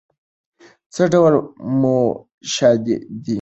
څه ډول موشادې دي؟